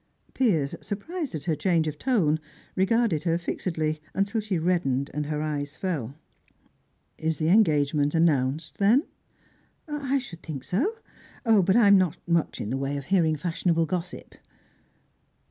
Piers, surprised at her change of tone, regarded her fixedly, until she reddened and her eyes fell. "Is the engagement announced, then?" "I should think so; but I'm not much in the way of hearing fashionable gossip."